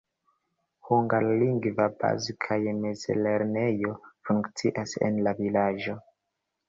Hungarlingva baz- kaj mezlernejo funkcias en la vilaĝo.